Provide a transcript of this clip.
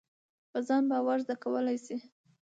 په ځان باور زده کېدلای شي.